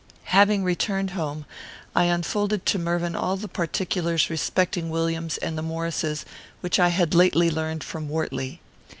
Having returned home, I unfolded to Mervyn all the particulars respecting Williams and the Maurices which I had lately learned from Wortley.